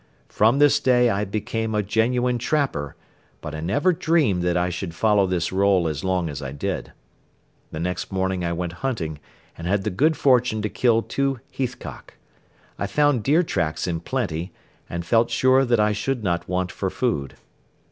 From this day I became a genuine trapper but I never dreamed that I should follow this role as long as I did. The next morning I went hunting and had the good fortune to kill two heathcock. I found deer tracks in plenty and felt sure that I should not want for food.